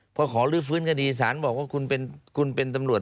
พอขอลื้อฟื้นคดีสารบอกว่าคุณเป็นตำรวจ